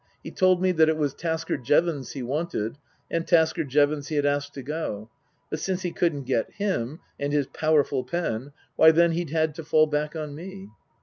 He told me that it was Tasker Jevons he wanted, and Tasker Jevons he had asked to go, but since he couldn't get him (and his powerful pen), why then he'd had to fall back on me.